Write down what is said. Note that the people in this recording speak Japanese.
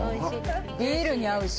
ビールに合うし。